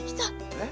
えっ？